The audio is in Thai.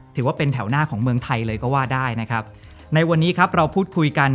ถือว่าเป็นแถวหน้าของเมืองไทยเลยก็ว่าได้นะครับในวันนี้ครับเราพูดคุยกัน